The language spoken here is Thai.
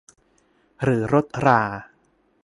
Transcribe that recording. หรือรถรา